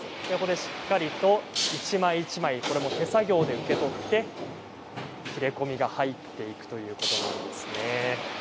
しっかりと一枚一枚手作業で受け取って切れ込みが入っていくというところです。